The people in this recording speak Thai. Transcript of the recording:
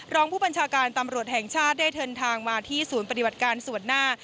รองผู้บัญชาการตำรวจแห่งชาติได้เดินทางมาที่ศูนย์ปฏิบัติการส่วนหน้า